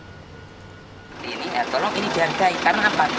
ini ya tolong ini jangan jahit karena apa